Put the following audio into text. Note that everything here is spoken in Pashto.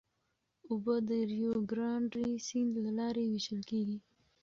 اوبه د ریو ګرانډې سیند له لارې وېشل کېږي.